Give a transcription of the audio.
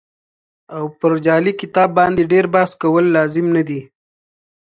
او پر جعلي کتاب باندې ډېر بحث کول لازم نه دي.